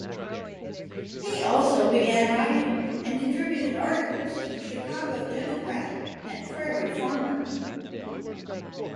He also began writing and contributed articles to the Chicago "Democrat" and "Prairie Farmer".